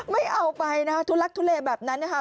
ไม่เอาไปนะคะทุลักทุเลแบบนั้นนะคะ